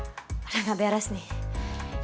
ini tidak beres nih